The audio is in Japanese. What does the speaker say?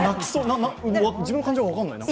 自分の感情が分からない、なんか。